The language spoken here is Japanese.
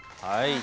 はい。